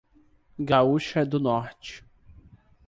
Gaúcha do Norte